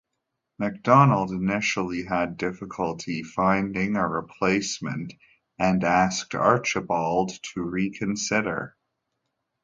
Macdonald initially had difficulty finding a replacement and asked Archibald to reconsider.